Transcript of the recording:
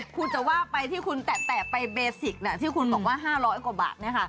คุณจะว่าไปที่คุณแตะไปเบสิกที่คุณบอกว่า๕๐๐กว่าบาท